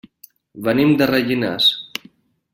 Venim de Rellinars.